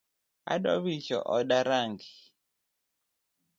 Adwa wicho oda rangi .